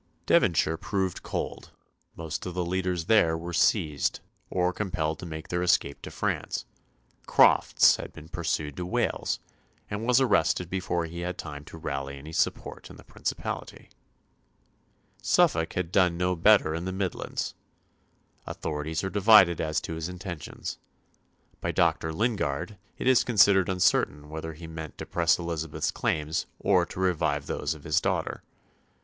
Devonshire proved cold; most of the leaders there were seized, or compelled to make their escape to France; Crofts had been pursued to Wales, and was arrested before he had time to rally any support in the principality. Suffolk had done no better in the Midlands. Authorities are divided as to his intentions. By Dr. Lingard it is considered uncertain whether he meant to press Elizabeth's claims or to revive those of his daughter.